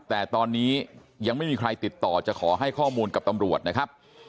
แต่ตอนนี้ยังไม่มีใครติดต่อจะขอให้ข้อมูลกับตำรวจนะครับ